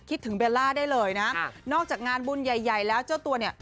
คิดถึงเบลล่าได้เลยนะนอกจากงานบุญใหญ่แล้วเจ้าตัวเนี่ย